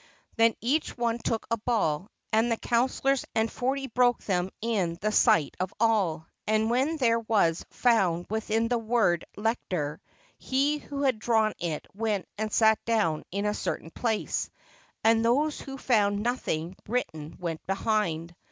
Then each one took a ball, and the councilors and the 51 ITALY forty broke them in the sight of all; and when there was found within the word "Lector," he who had drawn it went and sat down in a certain place, and those who found nothing written went behind.